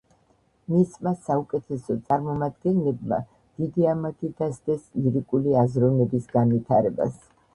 მისმა საუკეთესო წარმომადგენლებმა დიდი ამაგი დასდეს ლირიკული აზროვნების განვითარებას.